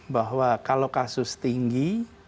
bahwa kalau kasus tinggi